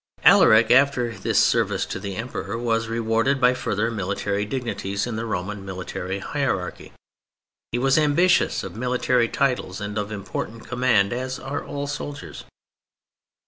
Alaric, after this service to the Emperor, was rewarded by further military dignities in the Roman military hierarchy. He was ambitious of military titles and of important command, as are all soldiers.